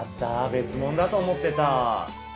別もんだと思ってた。